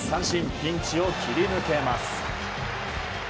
ピンチを切り抜けます。